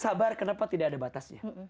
sabar kenapa tidak ada batasnya